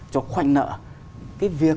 cho khoanh nợ cái việc